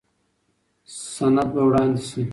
سند به وړاندې شي.